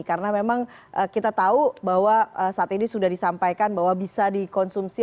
karena memang kita tahu bahwa saat ini sudah disampaikan bahwa bisa dikonsumsi